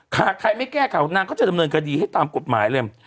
หากใครไม่แก้ข่าวนางก็จะดำเนินคดีให้ตามกฎหมายเลย